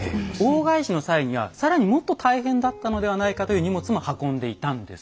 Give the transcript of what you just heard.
大返しの際には更にもっと大変だったのではないかという荷物も運んでいたんです。